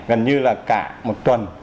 gần như là cả một tuần